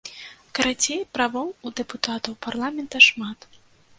Карацей, правоў у дэпутатаў парламента шмат.